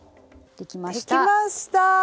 できました！